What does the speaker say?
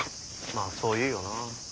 まあそう言うよな。